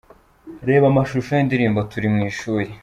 Reba amashusho y’indirimbo "Turi mu ishuri".